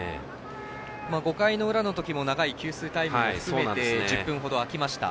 ５回の裏の時も長い給水タイムを含めて１０分ほど空きました。